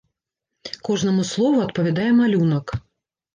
Кожнаму слову адпавядае малюнак.